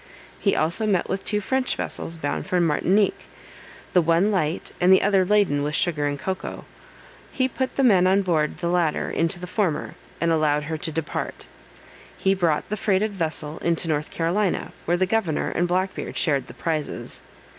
He also met with two French vessels bound for Martinique, the one light, and the other laden with sugar and cocoa: he put the men on board the latter into the former, and allowed her to depart. He brought the freighted vessel into North Carolina, where the governor and Black Beard shared the prizes.